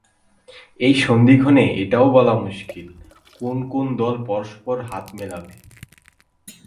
এই সন্ধিক্ষণে এটাও বলা মুশকিল কোন কোন দল পরস্পর হাত মেলাবে।